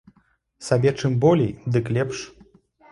Сабе чым болей, дык лепш.